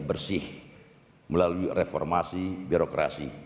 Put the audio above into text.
dan bersih melalui reformasi birokrasi